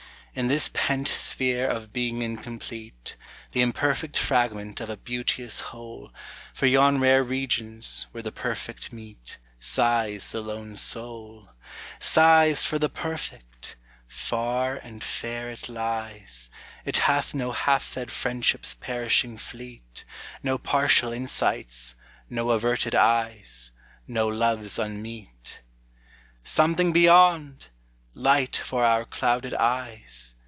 In this pent sphere of being incomplete, The imperfect fragment of a beauteous whole, For yon rare regions, where the perfect meet, Sighs the lone soul. Sighs for the perfect! Far and fair it lies; It hath no half fed friendships perishing fleet, No partial insights, no averted eyes, No loves unmeet. Something beyond! Light for our clouded eyes!